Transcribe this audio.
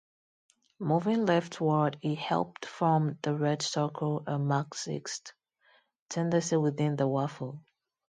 Moving leftward, he helped form the Red Circle, a Marxist tendency within the Waffle.